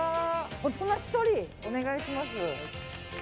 大人１人、お願いします。